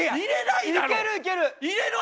いけるいける！